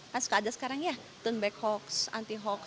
kan suka ada sekarang ya turn back hoax anti hoax